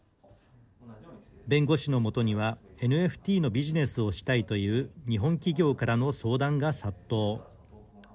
弁護士の元にはＮＦＴのビジネスをしたいという日本企業からの相談が殺到。